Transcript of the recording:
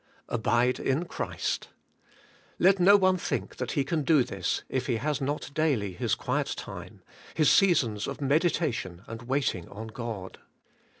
'Abide in Christ!' Let no one think that he can do this if he has not daily his quiet time, his seasons of meditation and waiting on God.